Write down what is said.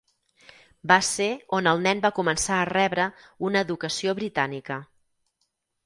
Va ser on el nen va començar a rebre una educació britànica.